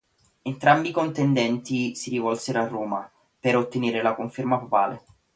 Entrambi i contendenti si rivolsero a Roma, per ottenere la conferma papale.